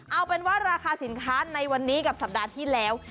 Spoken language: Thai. เอาเป็นว่าราคาสินค้าในวันนี้กับสัปดาห์ที่แล้ว